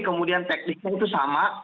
kemudian teknisnya itu sama